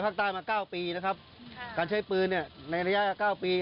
ภาคใต้มาเก้าปีนะครับการใช้ปืนเนี่ยในระยะเก้าปี